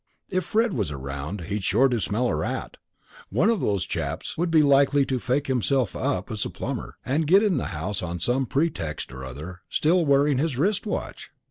If "Fred" was around he'd be sure to smell a rat. One of those chaps would be likely to fake himself up as a plumber, and get in the house on some pretext or other still wearing his wrist watch!